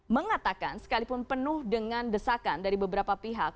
mengatakan sekalipun penuh dengan desakan dari beberapa pihak